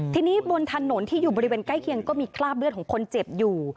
ทีนี้บนถนนที่อยู่บริเวณใกล้เคียงก็มีคราบเลือดของคนเจ็บอยู่